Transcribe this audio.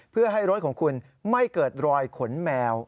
เพื่อให้รถของคุณไม่เกิดรอยขนแมว